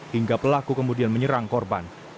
hingga pelaku kemudian menyerang korban